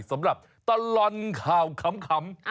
สำหรับตลอดข่าวขำ